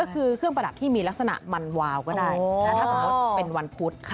ก็คือเครื่องประดับที่มีลักษณะมันวาวก็ได้ถ้าสมมุติเป็นวันพุธ